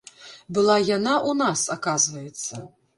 Была яна ў нас, аказваецца.